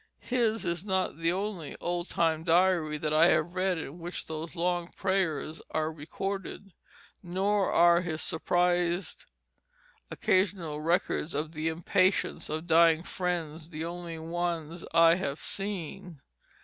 His is not the only old time diary that I have read in which those long prayers are recorded, nor are his surprised occasional records of the impatience of dying friends the only ones I have seen.